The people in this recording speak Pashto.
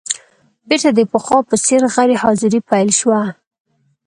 بېرته د پخوا په څېر غیر حاضري پیل شوه.